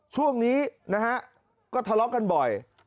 ช่วงนี้นะฮะก็ทะเลาะกันบ่อย